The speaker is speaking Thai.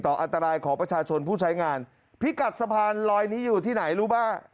อันตรายของประชาชนผู้ใช้งานพิกัดสะพานลอยนี้อยู่ที่ไหนรู้ป่ะ